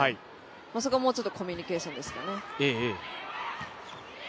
そこはもうちょっとコミュニケーションですかね。